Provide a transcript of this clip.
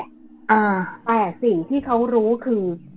อ่าแต่สิ่งที่เขารู้คือ